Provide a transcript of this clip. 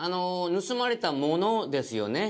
盗まれたものですよね。